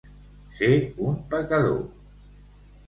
Ser un pecador.